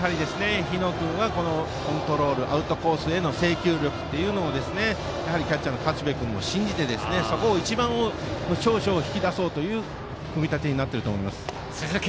日野君のコントロールアウトコースへの制球力をキャッチャーの勝部君も信じて一番の長所を引き出そうという組み立てになっていると思います。